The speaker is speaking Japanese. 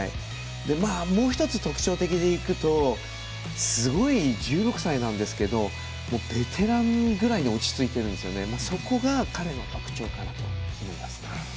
もう１つ、特徴的でいくとすごい１６歳なんですけどベテランぐらいに落ち着いていてそこが彼の特徴かなと思います。